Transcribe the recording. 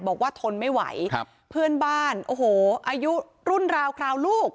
ทนไม่ไหวครับเพื่อนบ้านโอ้โหอายุรุ่นราวคราวลูก